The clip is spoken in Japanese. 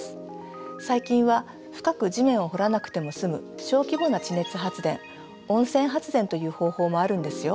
最近は深く地面を掘らなくても済む小規模な地熱発電温泉発電という方法もあるんですよ。